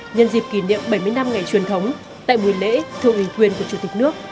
nhân dịp kỷ niệm bảy mươi năm ngày truyền thống tại buổi lễ thưa ủy quyền của chủ tịch nước